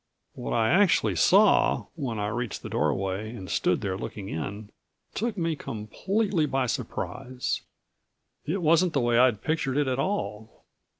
What I actually saw, when I reached the doorway and stood there looking in, took me completely by surprise. It wasn't the way I'd pictured it at all.